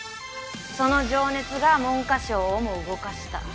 その情熱が文科省をも動かした。